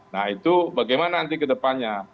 nah itu bagaimana nanti kedepannya